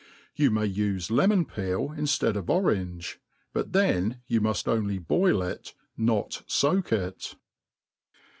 You may ufe lemon peel inftead of orange, but then you mu^ only boil it, not foak it.